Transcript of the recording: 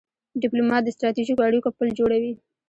ډيپلومات د ستراتیژیکو اړیکو پل جوړوي.